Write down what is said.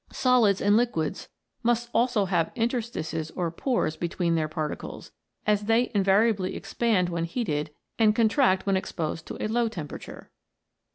Solids and liquids must also have interstices or pores between their particles, as they invariably expand when heated and contract when exposed to a low temperature.